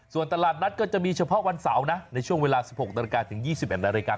ส่วนตลาดนัดก็จะมีเฉพาะวันเสาร์นะในช่วงเวลา๑๖นาฬิกาถึง๒๑นาฬิกา